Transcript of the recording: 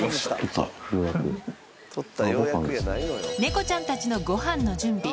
猫ちゃんたちのごはんの準備。